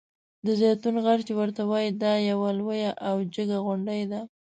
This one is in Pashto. د زیتون غر چې ورته وایي دا یوه لویه او جګه غونډۍ ده.